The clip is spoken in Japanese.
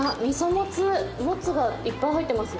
もつがいっぱい入ってます。